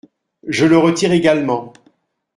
Je le retire également.